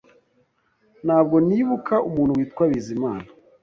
Ntabwo nibuka umuntu witwa Bizimana